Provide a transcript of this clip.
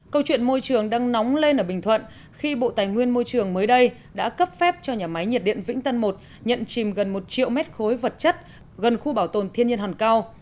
câu chuyện môi trường đang nóng lên ở bình thuận khi bộ tài nguyên môi trường mới đây đã cấp phép cho nhà máy nhiệt điện vĩnh tân một nhận chìm gần một triệu mét khối vật chất gần khu bảo tồn thiên nhiên hòn cao